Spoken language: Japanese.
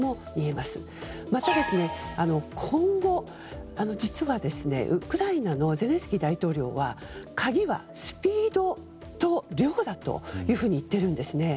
また今後、実はウクライナのゼレンスキー大統領は鍵はスピードと量だと言っているんですね。